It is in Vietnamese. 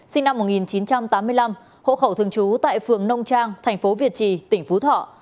sinh năm một nghìn chín trăm tám mươi năm hộ khẩu thường trú tại phường nông trang thành phố việt trì tỉnh phú thọ